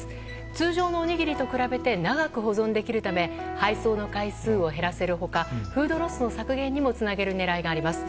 通常のおにぎりと比べて長く保存できるため配送の回数を減らせる他フードロスの削減にもつなげる狙いがあります。